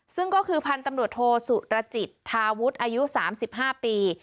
ซึ่งก็คือพันธุ์ตำรวจโทสุรจิตทาวุฒิอายุ๓๕ปี